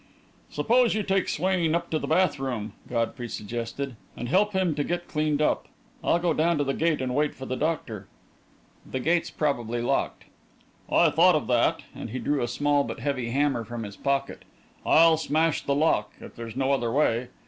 "Suppose you take Swain up to the bath room," Godfrey suggested, "and help him to get cleaned up. I'll go down to the gate and wait for the doctor." "The gate's probably locked." "I thought of that," and he drew a small but heavy hammer from his pocket. "I'll smash the lock, if there's no other way.